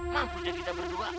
mampus dah kita berdua